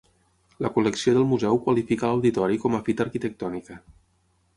La col·lecció del museu qualifica l'auditori com a fita arquitectònica.